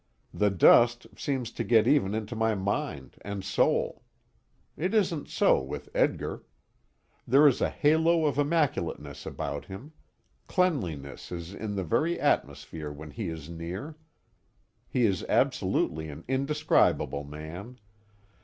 The dust seems to get even into my mind and soul. It isn't so with Edgar. There is a halo of immaculateness about him: cleanliness is in the very atmosphere when he is near. He is absolutely an indescribable man.